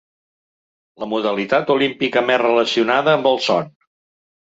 La modalitat olímpica més relacionada amb el son.